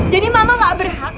jadi mama gak berhak